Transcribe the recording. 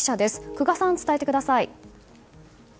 空閑さん、伝えてください。